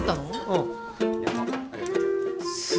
うんやばありがとうございます